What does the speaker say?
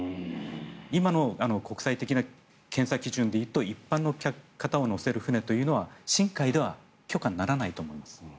今の国際的な検査基準でいうと一般の方を乗せる船というのは深海では許可にならないと思います。